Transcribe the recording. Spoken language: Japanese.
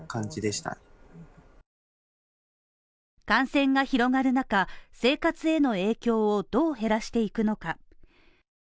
感染が広がる中、生活への影響をどう減らしていくのか。